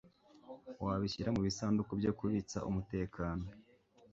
wabishyira mubisanduku byo kubitsa umutekano